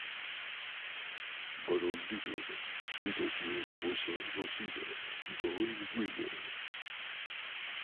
Barón Lytton, y de su esposa Rosina Doyle Wheeler.